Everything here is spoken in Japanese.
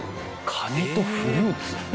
カニとフルーツ。